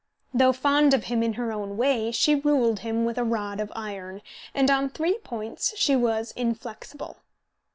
Though fond of him in her own way, she ruled him with a rod of iron, and on three points she was inflexible.